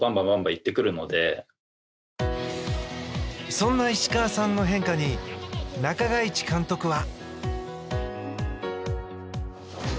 そんな石川さんの変化に中垣内監督は。